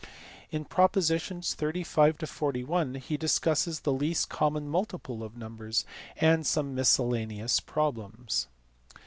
In propositions 35 to 41 he discusses the least common multiple of numbers, and some miscellaneous problems.